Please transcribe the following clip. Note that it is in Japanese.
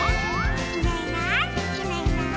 「いないいないいないいない」